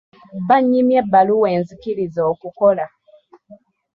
Banyimye ebbaluwa enzikiriza okukola.